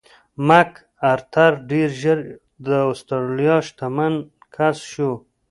مک ارتر ډېر ژر د اسټرالیا شتمن کس شو.